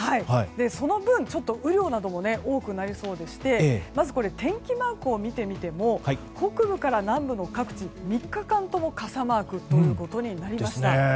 その分、ちょっと雨量なども多くなりそうでして天気マークを見てみても北部から南部の各地、３日間とも傘マークとなりました。